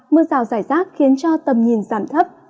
mưa rào rải rác khiến cho tầm nhìn giảm thấp